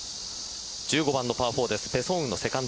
１５番のパー４です。